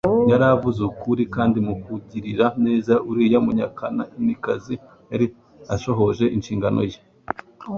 yari avuze ukuri, kandi mu kugirira neza uriya munyakananikazi yari ashohoje inshingano ye.